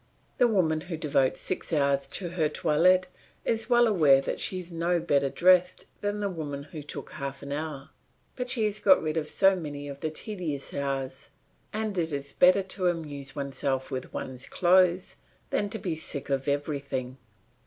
The woman who devotes six hours to her toilet is well aware that she is no better dressed than the woman who took half an hour, but she has got rid of so many of the tedious hours and it is better to amuse oneself with one's clothes than to be sick of everything.